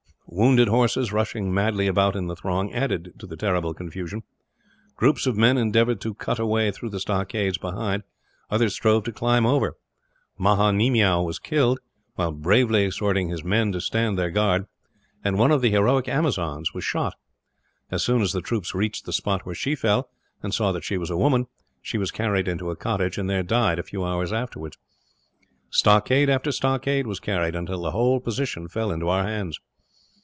Wounded horses, rushing wildly about in the throng, added to the terrible confusion. Groups of men endeavoured to cut a way through the stockades behind, others strove to climb over. Maha Nemiow was killed, while bravely exhorting his men to stand their ground, and one of the heroic Amazons was shot. As soon as the troops reached the spot where she fell, and saw that she was a woman, she was carried into a cottage; and there died, a few hours afterwards. Stockade after stockade was carried, until the whole position fell into our hands.